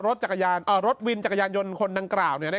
รถจักรยานอ่ารถวินจักรยานยนต์คนดังกล่าวเนี่ย